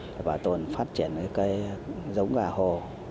để bảo tồn và phát triển giống gà hồ